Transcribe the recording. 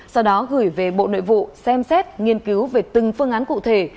sau đó gửi về bộ nội vụ xem xét nghiên cứu về từng phương án cụ thể